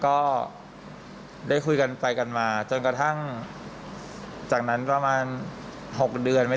ก็ได้คุยกันไปกันมาจนกระทั่งจากนั้นประมาณ๖เดือน